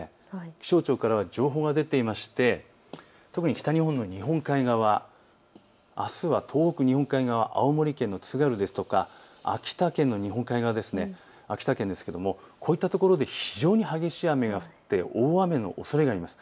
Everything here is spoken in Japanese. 気象庁からは情報が出ていて特に北日本の日本海側は、あすは東北、青森県の津軽や秋田県の日本海側、こういったところで非常に激しい雨が降って大雨のおそれがあります。